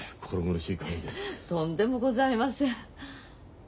とんでもございません。